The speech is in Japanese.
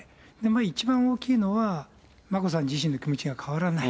一番大きいのは、眞子さん自身の気持ちが変わらない。